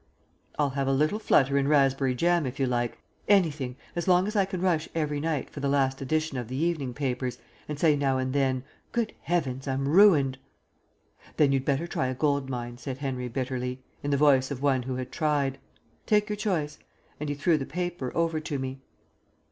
"I'll have a little flutter in raspberry jam if you like. Anything as long as I can rush every night for the last edition of the evening papers and say now and then, 'Good heavens, I'm ruined.'" "Then you'd better try a gold mine," said Henry bitterly, in the voice of one who had tried. "Take your choice," and he threw the paper over to me.